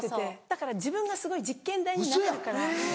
だから自分がすごい実験台になれるから。